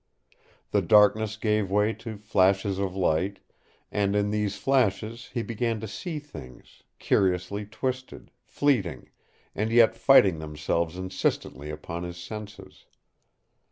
The darkness gave way to flashes of light, and in these flashes he began to see things, curiously twisted, fleeting, and yet fighting themselves insistently upon his senses.